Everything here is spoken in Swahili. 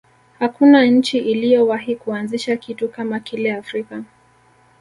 hakuna nchi iliyowahi kuanzisha kitu kama kile afrika